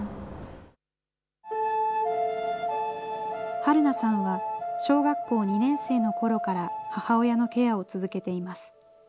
はるなさんは、小学校２年生のころから、母親のケアを続けています。